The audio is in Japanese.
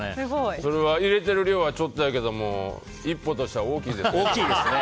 それは入れてる量はちょっとですけど一歩としては大きいですね。